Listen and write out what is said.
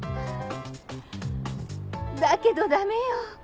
だけどダメよ！